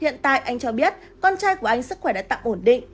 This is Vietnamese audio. hiện tại anh cho biết con trai của anh sức khỏe đã tạm ổn định